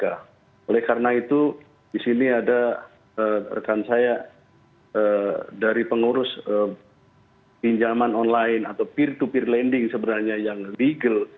oleh karena itu di sini ada rekan saya dari pengurus pinjaman online atau peer to peer lending sebenarnya yang legal